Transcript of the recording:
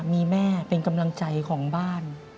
มีแม่เป็นกำลังใจของบ้าน